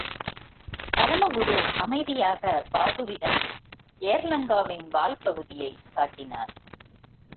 பரமகுரு அமைதியாக பாபுவிடம், ஏர்லங்கா வின் வால் பகுதியைக் காட்டினார்.